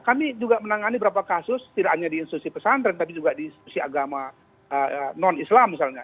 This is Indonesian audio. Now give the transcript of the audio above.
kami juga menangani beberapa kasus tidak hanya di institusi pesantren tapi juga di institusi agama non islam misalnya